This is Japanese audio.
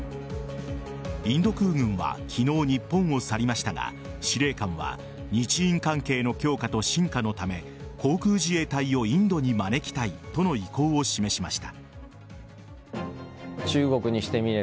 インド空軍は昨日、日本を去りましたが司令官は日印関係の強化と深化のため航空自衛隊をインドに招きたいとの意向を示しました。